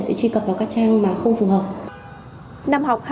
sẽ truy cập vào các trang mà không phù hợp